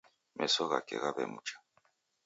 Meso ghake ghaw'emja